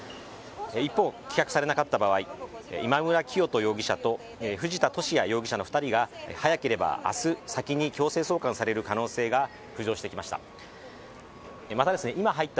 一方、棄却されなかった場合、今村磨人容疑者と藤田聖也容疑者の２人が早ければ明日、先に強制送還される可能性が浮上してきました。